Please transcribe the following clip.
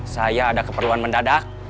saya ada keperluan mendadak